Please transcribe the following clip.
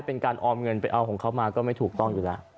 เป็นการออมเงินไปเอาของเขามาก็ไม่ถูกต้องอยู่แล้ว